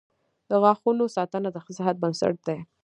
• د غاښونو ساتنه د ښه صحت بنسټ دی.